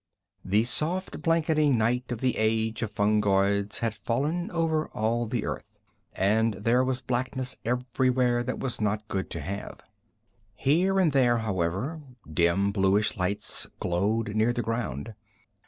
The soft, blanketing night of the age of fungoids had fallen over all the earth, and there was blackness everywhere that was not good to have. Here and there, however, dim, bluish lights glowed near the ground.